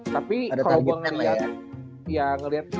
tapi kalau gue ngeliat